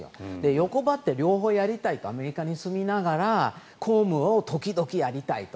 欲張って両方やりたいとアメリカに住みながら公務を時々やりたいと。